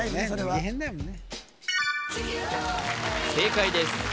それは正解です